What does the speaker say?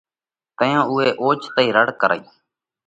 تئيون اُوئہ اوچتئِي رڙ ڪرئِي۔